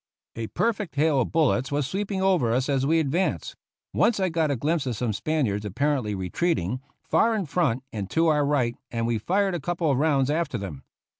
A perfect hail of bullets was sweeping over us as we advanced. Once I got a glimpse of some Spaniards, apparently retreating, far in the front, and to our right, and we fired a couple of rounds after them.